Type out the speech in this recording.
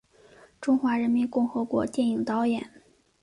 中华人民共和国电影导演。